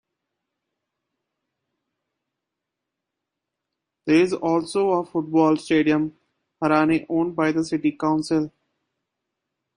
There is also a football stadium, "Harane", owned by the city council.